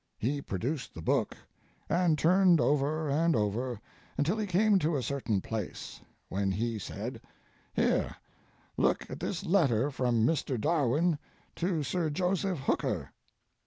He produced the book, and turned over and over, until he came to a certain place, when he said: "Here, look at this letter from Mr. Darwin to Sir Joseph Hooker."